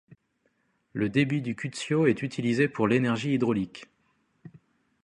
Le débit du Cuccio est utilisé pour l'énergie hydraulique.